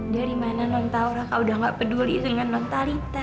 dari mana non taura kau udah gak peduli dengan non talita